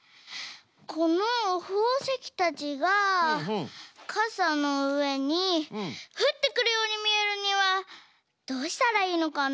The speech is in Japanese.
このほうせきたちがかさのうえにふってくるようにみえるにはどうしたらいいのかな？